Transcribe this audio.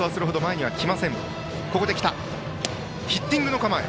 ヒッティングの構え。